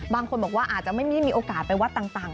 บางคนบอกว่าอาจจะไม่ได้มีโอกาสไปวัดต่าง